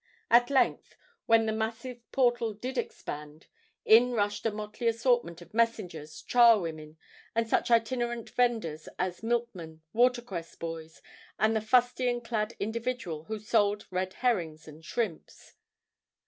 At length, when the massive portal did expand, in rushed a motley assortment of messengers, char women, and such itinerant venders as milk men, water cress boys, and the fustian clad individual who sold red herrings and shrimps.